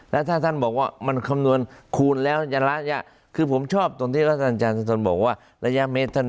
แล้วถ้าท่านบอกว่ามันคำนวณคูณแล้วจะระยะคือผมชอบตรงที่อาจารย์สุธนบอกว่าระยะเมตร